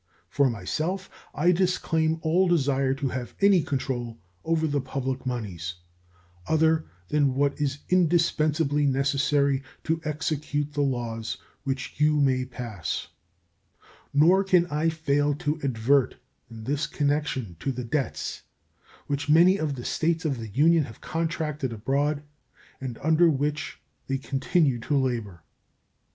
For myself, I disclaim all desire to have any control over the public moneys other than what is indispensably necessary to execute the laws which you may pass. Nor can I fail to advert in this connection to the debts which many of the States of the Union have contracted abroad and under which they continue to labor.